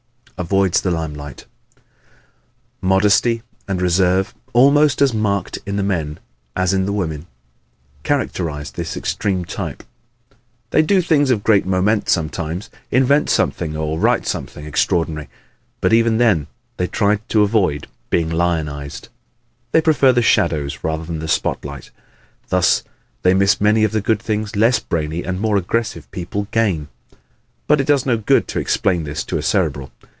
Avoids the Limelight ¶ Modesty and reserve, almost as marked in the men as in the women, characterize this extreme type. They do things of great moment sometimes invent something or write something extraordinary but even then they try to avoid being lionized. They prefer the shadows rather than the spotlight. Thus they miss many of the good things less brainy and more aggressive people gain. But it does no good to explain this to a Cerebral.